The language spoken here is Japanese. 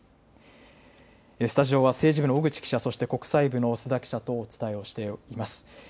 スタジオは政治部の小口記者、そして国際部の須田記者とお伝えをしています。